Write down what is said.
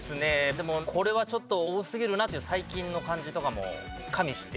でもこれはちょっと多すぎるなっていう最近の感じとかも加味して。